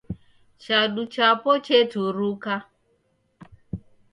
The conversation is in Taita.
Chadu chapo cheturuka.